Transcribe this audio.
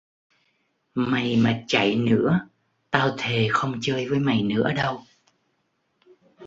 Mày mà chạy nữa tao thề không chơi với mày nữa đâu